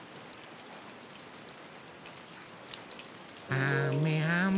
あめあめ。